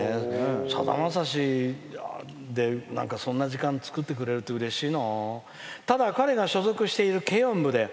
さだまさしでそんな時間、作ってくれるってうれしいな。